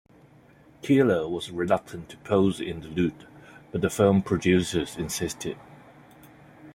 Keeler was reluctant to pose in the nude, but the film producers insisted.